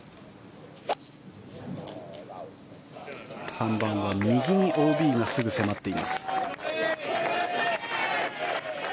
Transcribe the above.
３番は右にＯＢがすぐ迫っています。